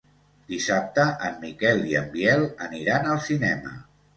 Dissabte en Miquel i en Biel aniran al cinema.